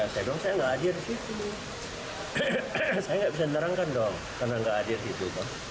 saya dong saya gak hadir di situ saya gak bisa menerangkan dong karena gak hadir di situ